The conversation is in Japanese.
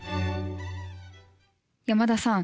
山田さん